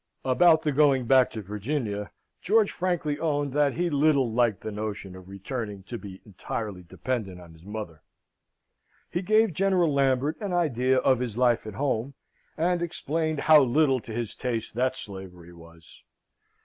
About the going back to Virginia, George frankly owned that he little liked the notion of returning to be entirely dependent on his mother. He gave General Lambert an idea of his life at home, and explained how little to his taste that slavery was.